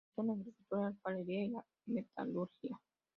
Desconocían la agricultura, la alfarería y la metalurgia.